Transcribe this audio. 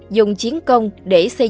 dùng chiến công để xây dựng